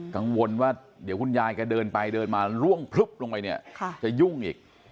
กังวลว่าเดี๋ยวคุณยายแกเดินไปเดินมาล่วงพลึบลงไปเนี่ยจะยุ่งอีก